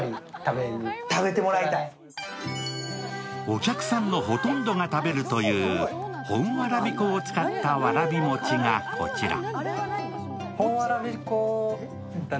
お客さんのほとんどが食べるという、本わらび粉を使った、わらび粉がこちら。